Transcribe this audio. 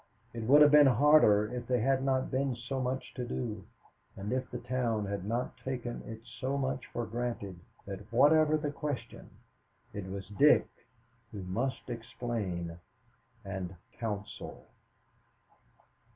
It would have been harder if there had not been so much to do, and if the town had not taken it so much for granted that whatever the question, it was Dick who must explain and counsel.